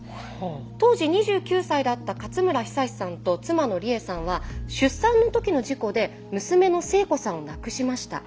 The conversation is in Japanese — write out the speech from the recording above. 当時２９歳だった勝村久司さんと妻の理栄さんは出産のときの事故で娘の星子さんを亡くしました。